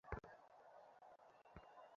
দোরের গায়ে পুরানো চটের পর্দা।